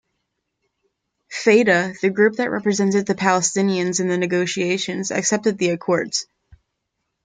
Fatah, the group that represented the Palestinians in the negotiations, accepted the accords.